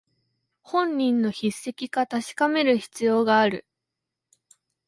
本人の筆跡か確かめる必要がある